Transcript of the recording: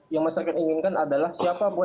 yang masyarakat inginkan adalah siapapun